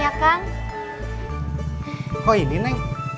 maca sekarang ya